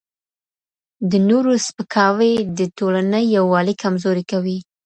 د نورو سپکاوی د ټولني یووالی کمزوری کوي.